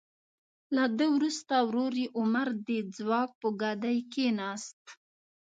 له ده وروسته ورور یې عمر د ځواک په ګدۍ کیناست.